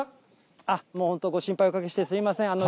もう本当、ご心配おかけして、すみません。